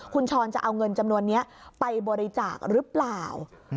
คุณช้อนจะเอาเงินจำนวนนี้ไปบริจาคหรือเปล่า